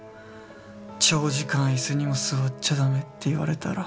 長時間椅子にも座っちゃ駄目」って言われたら。